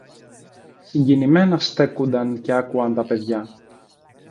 Συγκινημένα στέκουνταν και άκουαν τα παιδιά